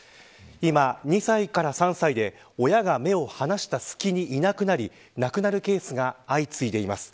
今、２歳から３歳で親が目を離したすきにいなくなり亡くなるケースが相次いでいます。